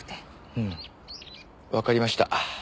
うんわかりました。